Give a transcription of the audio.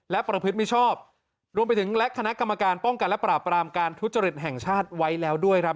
และประพฤติมิชชอบรวมไปถึงและคณะกรรมการป้องกันและปราบรามการทุจริตแห่งชาติไว้แล้วด้วยครับ